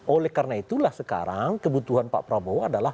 oleh karena itulah sekarang kebutuhan pak prabowo adalah